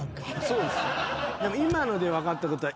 でも今ので分かったことは。